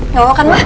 ya makan ma